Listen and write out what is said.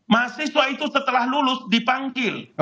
mahasiswa itu setelah lulus dipanggil